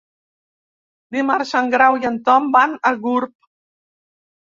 Dimarts en Grau i en Tom van a Gurb.